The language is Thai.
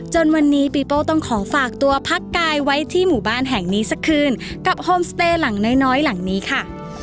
จนวันนี้ปีโป้ต้องขอฝากตัวพักกายไว้ที่หมู่บ้านแห่งนี้สักคืนกับโฮมสเตย์หลังน้อยหลังนี้ค่ะ